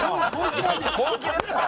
本気ですから。